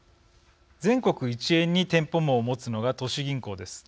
全国一円に店舗網を持つのが都市銀行です。